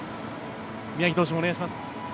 宮城投手もお願いします。